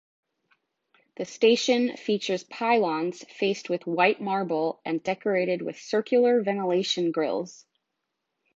The station features pylons faced with white marble and decorated with circular ventilation grilles.